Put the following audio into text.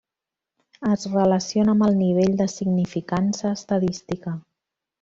Es relaciona amb el nivell de significança estadística.